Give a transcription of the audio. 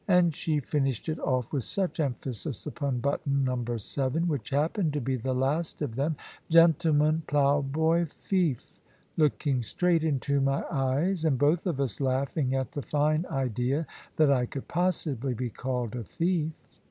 And she finished it off with such emphasis upon button No. 7, which happened to be the last of them, "gentleman, ploughboy, fief," looking straight into my eyes, and both of us laughing at the fine idea that I could possibly be called a thief!